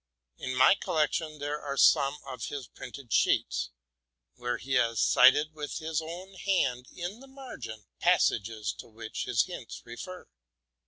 In my collection there are some of his printed sheets, where he has cited with his own hand, in the margin, the passages to which his hints refer.